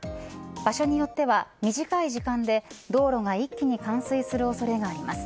場所によっては、短い時間で道路が一気に冠水する恐れがあります。